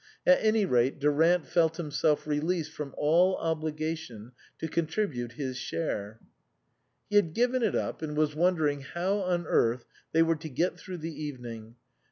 At any rate Durant felt himself released from all obligation to contribute his share. He had given it up, and was wondering how on earth they were to get through the evening.